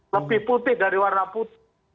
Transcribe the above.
lebih putih dari warna putih